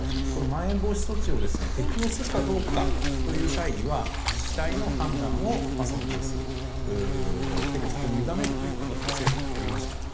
まん延防止措置を適用するかどうかという際には自治体の判断を尊重するほぼそこに委ねるという形を政府は取りました。